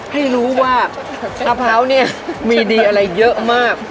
ให้รู้ว่ามะพร้าวเนี่ยมีดีอะไรเยอะมาก